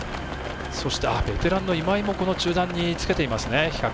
そして、ベテランの今井も中段につけています。